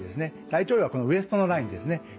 大腸兪はこのウエストのラインですね。